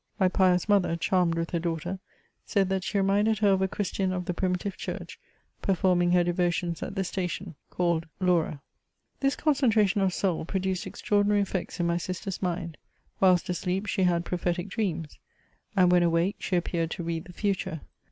My pious mother, charmed with her daughter, said that she reminded her of a Christian of the Primitive Church, performing her devotions at the station, called Laura^ , This concentration of soul produced extraordinary effects in my sister's mind : whilst asleep, she had prophetic dreams ; and when awake she appeared to read the future.